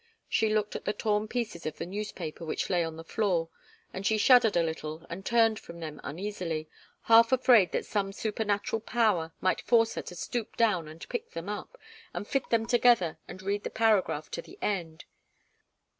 She looked at the torn pieces of the newspaper which lay on the floor, and she shuddered a little and turned from them uneasily, half afraid that some supernatural power might force her to stoop down and pick them up, and fit them together and read the paragraph to the end.